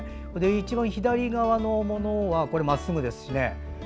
一番左側のものはまっすぐですしね。